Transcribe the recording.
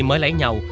mới lấy nhau